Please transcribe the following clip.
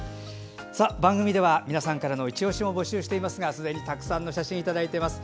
さて、番組では皆さんのいちオシを募集していますがすでにたくさんの写真をいただいています。